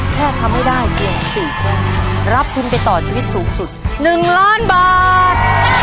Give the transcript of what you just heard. แค่ทำให้ได้เพียง๔ข้อรับทุนไปต่อชีวิตสูงสุด๑ล้านบาท